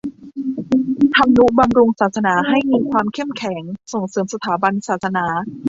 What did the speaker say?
ทำนุบำรุงศาสนาให้มีความเข้มแข็ง ส่งเสริมสถาบันศาสนา